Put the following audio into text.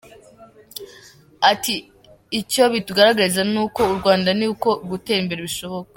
Ati “Icyo bitugaragariza nk’u Rwanda ni uko gutera imbere bishoboka.